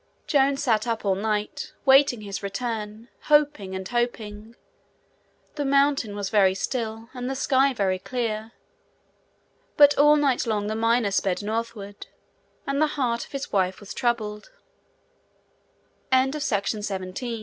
Joan sat up all night waiting his return, hoping and hoping. The mountain was very still, and the sky was clear; but all night long the miner sped northward, and the heart of his wife